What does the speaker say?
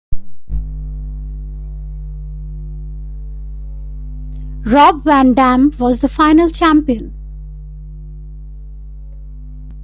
Rob Van Dam was the final champion.